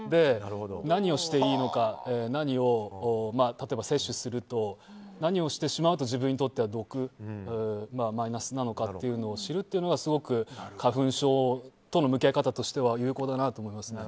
何をしていいのか例えば、摂取すると何をしてしまうと自分にとっては毒マイナスなのかというのを知るというのはすごく花粉症との向き合い方としては有効だなと思いますね。